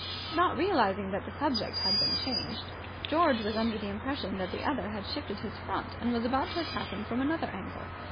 Not realizing that the subject had been changed, George was under the impression that the other had shifted his front and was about to attack him from another angle.